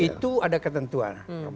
itu ada ketentuan